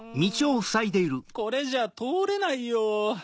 これじゃとおれないよ。